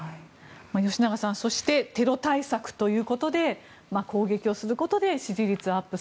吉永さんそしてテロ対策ということで攻撃をすることで支持率アップ